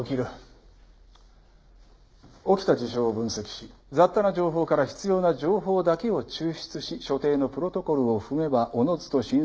起きた事象を分析し雑多な情報から必要な情報だけを抽出し所定のプロトコルを踏めばおのずと真相にたどり着く。